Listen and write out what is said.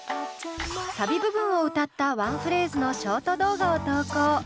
サビ部分を歌ったワンフレーズのショート動画を投稿。